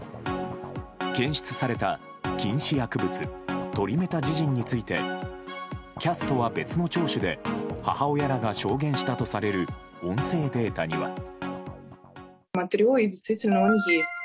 検出された禁止薬物トリメタジジンについてキャストは別の聴取で母親らが証言したとされる音声データには。